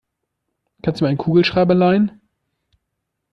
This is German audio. Kannst du mir einen Kugelschreiber leihen?